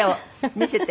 見せて。